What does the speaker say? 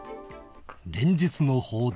連日の報道